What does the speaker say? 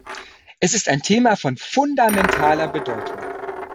Es ist ein Thema von fundamentaler Bedeutung.